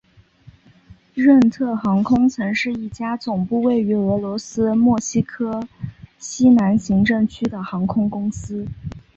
任特航空曾是一家总部位于俄罗斯莫斯科西南行政区的航空公司。